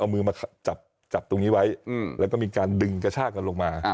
เอามือมาจับตรงนี้ไว้แล้วก็มีการดึงกระชากกันลงมา